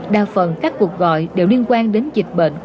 đa phần các cuộc gọi đều liên quan đến dịch bệnh